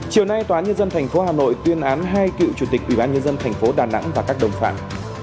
chiều nay tòa nhân dân thành phố hà nội tuyên án hai cựu chủ tịch ubnd thành phố đà nẵng và các đồng phạm